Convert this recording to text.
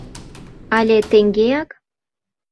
Але теҥгеак?